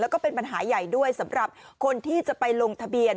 แล้วก็เป็นปัญหาใหญ่ด้วยสำหรับคนที่จะไปลงทะเบียน